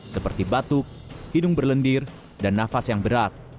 seperti batuk hidung berlendir dan nafas yang berat